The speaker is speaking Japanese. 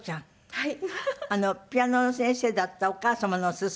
はい。